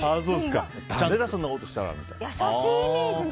だめだそんなことしたらみたいな。